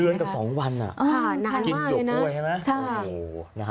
เดือนกับ๒วันอ่ะ